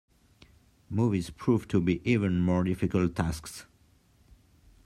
Movies prove to be even more difficult tasks.